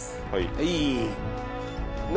はい。